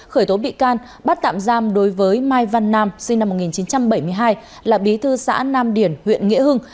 khởi tố bị can bắt tạm giam đối với mai văn nam sinh năm một nghìn chín trăm bảy mươi hai là bí thư xã nam điển huyện nghĩa hưng